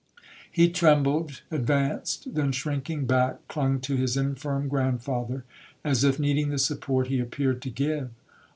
He trembled, advanced,—then shrinking back, clung to his infirm grandfather, as if needing the support he appeared to give.